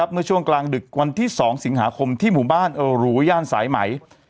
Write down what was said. เมื่อช่วงกลางดึกวันที่๒สิงหาคมที่หมู่บ้านเออหรูย่านสายไหม